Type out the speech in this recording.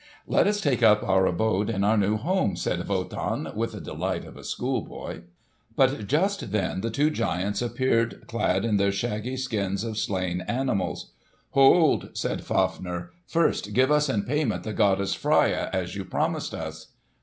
"Let us take up our abode in our new home!" said Wotan, with the delight of a schoolboy. But just then the two giants appeared clad in their shaggy skins of slain animals. "Hold!" said Fafner. "First give us in payment the goddess Freia as you promised us."